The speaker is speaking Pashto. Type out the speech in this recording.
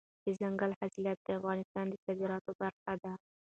دځنګل حاصلات د افغانستان د صادراتو برخه ده.